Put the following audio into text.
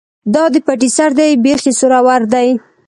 ـ دا دې پټي سر دى ،بېخ يې سورور دى.